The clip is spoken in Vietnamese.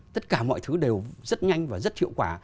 tất cả mọi thứ đều rất nhanh và rất hiệu quả